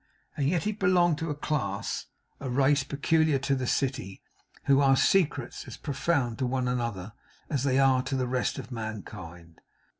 And yet he belonged to a class; a race peculiar to the City; who are secrets as profound to one another, as they are to the rest of mankind.